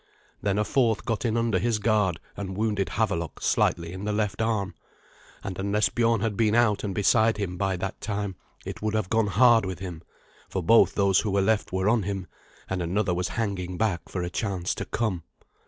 Then a fourth got in under his guard, and wounded Havelok slightly in the left arm; and unless Biorn had been out and beside him by that time it would have gone hard with him, for both those who were left were on him, and another was hanging back for a chance to come.